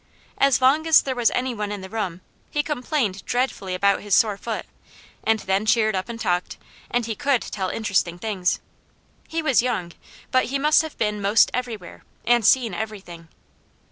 As long as there was any one in the room, he complained dreadfully about his sore foot, and then cheered up and talked, and he could tell interesting things. He was young, but he must have been most everywhere and seen everything.